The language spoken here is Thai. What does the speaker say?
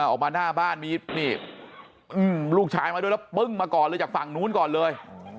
ออกมาหน้าบ้านมีนี่ลูกชายมาด้วยแล้วปึ้งมาก่อนเลยจากฝั่งนู้นก่อนเลย